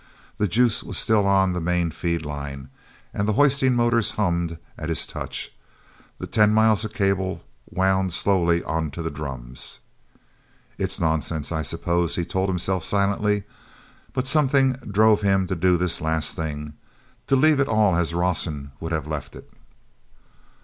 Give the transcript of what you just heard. The juice was still on the main feed line, and the hoisting motors hummed at his touch. The ten miles of cable wound slowly onto the drums. "It's nonsense, I suppose," he told himself silently. But something drove him to do this last thing—to leave it all as Rawson would have had it.